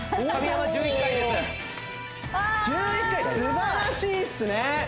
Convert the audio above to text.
１１回すばらしいっすね